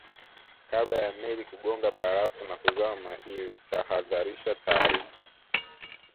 kabla ya meli kugonga barafu na kuzama ilitahadharisha taarifa